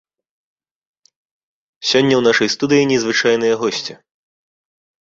Сёння ў нашай студыі незвычайная госці.